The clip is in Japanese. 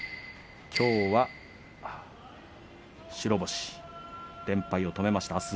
きょうは白星連敗を止めました。